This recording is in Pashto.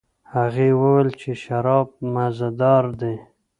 هغې وویل چې شراب مزه دار دي.